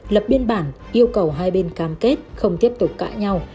lập biên bản yêu cầu hai bên cam kết không tiếp tục cãi nhau